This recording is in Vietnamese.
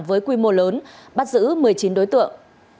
với quy mô lớn bắt giữ một mươi chín đối tượng